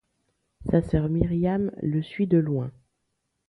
Sa sœur Myriam le suit de loin.